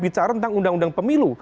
bicara tentang undang undang pemilu